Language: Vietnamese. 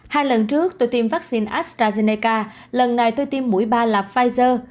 hai lần trước tôi tiêm vaccine astrazeneca lần này tôi tiêm mũi ba là pfizer